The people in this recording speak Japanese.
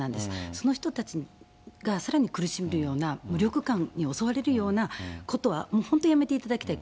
その人たちがさらに苦しむような、無力感に襲われるようなことはもう本当にやめていただきたい。